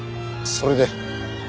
それで。